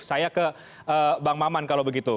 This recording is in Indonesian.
saya ke bang maman kalau begitu